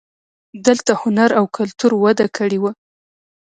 دلته هنر او کلتور وده کړې وه